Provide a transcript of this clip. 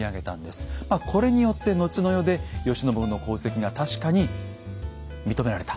これによって後の世で慶喜の功績が確かに認められた。